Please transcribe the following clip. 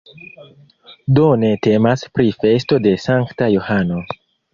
Do ne temas pri festo de Sankta Johano.